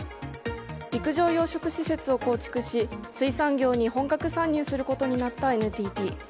陸上養殖施設を構築し水産業に本格参入することになったＮＴＴ。